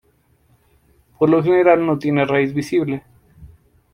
Por lo general, no tiene raíz visible.